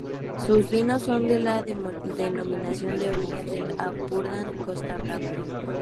Sus vinos son de la denominación de origen del Ampurdán-Costa Brava.